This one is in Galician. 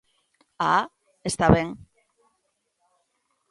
¡Ah!, está ben.